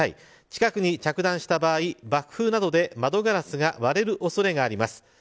近くに着弾した場合、爆風などで窓ガラスが割れる恐れがあります。